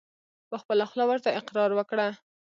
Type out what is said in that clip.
په خپله خوله ورته اقرار وکړه !